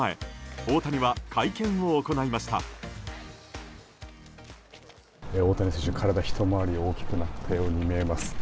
大谷選手、体ひと回り大きくなったように見えます。